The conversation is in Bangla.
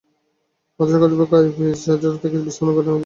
মাদ্রাসা কর্তৃপক্ষ আইপিএসের চার্জার থেকে বিস্ফোরণের ঘটনা ঘটে বলে দাবি করে।